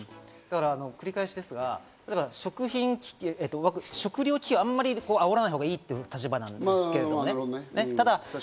繰り返しですが、食糧危機はあんまり、あおらないほうがいいという立場なんですけどね、僕は。